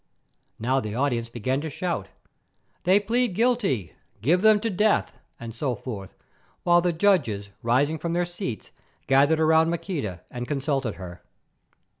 Now the audience began to shout, "They plead guilty! Give them to death!" and so forth, while the judges rising from their seats, gathered round Maqueda and consulted her.